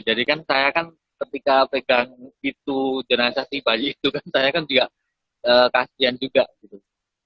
jadi kan saya kan ketika pegang itu jenazah bayi itu kan saya kan juga kasihan juga gitu